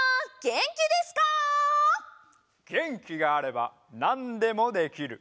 げんきがあればなんでもできる。